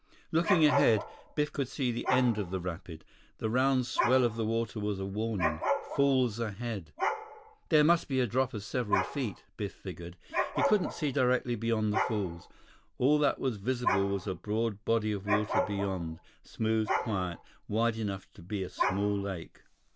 Looking ahead, Biff could see the end of the rapid. The round swell of the water was a warning—falls ahead! There must be a drop of several feet, Biff figured. He couldn't see directly beyond the falls. All that was visible was a broad body of water beyond—smooth, quiet, wide enough to be a small lake.